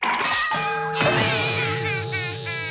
ハハハハハ！